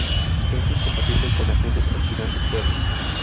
Es incompatible con agentes oxidantes fuertes.